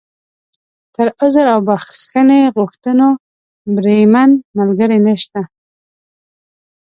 تر عذر او بښنې غوښتو، بریمن ملګری نشته.